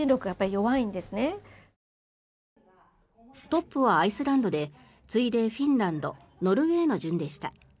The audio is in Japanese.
トップはアイスランドで次いで、フィンランドノルウェーの順でした。